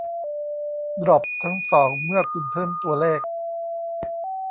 ดร็อปทั้งสองเมื่อคุณเพิ่มตัวเลข